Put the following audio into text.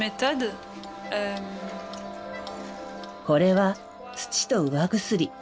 これは土と釉薬。